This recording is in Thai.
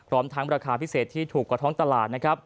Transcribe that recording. รวมทั้งประคาพิเศษที่ถูกกว่าท้องตลาด